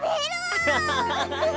アハハハ。